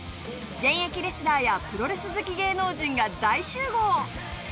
現役レスラーやプロレス好き芸能人が大集合！